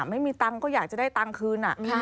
ไม่มีตังค์ก็อยากจะได้ตังค์คืน